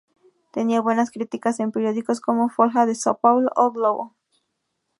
Tenía buenas críticas en periódicos como "Folha de São Paulo" y "O Globo".